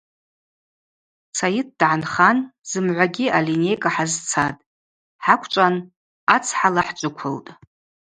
Сайыт дгӏанхан зымгӏвагьи альинейкӏа хӏазцатӏ, хӏаквчӏван ацхӏала хӏджвыквылтӏ.